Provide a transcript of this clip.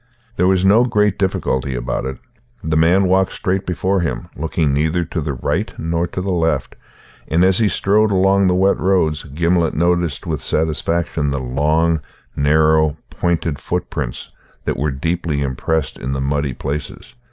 There was no great difficulty about it. The man walked straight before him, looking neither to the right nor to the left, and as he strode along the wet roads Gimblet noted with satisfaction the long, narrow, pointed footprints that were deeply impressed in the muddy places.